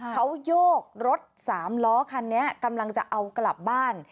เขาโยกรถสามล้อคันนี้กำลังจะเอากลับบ้าน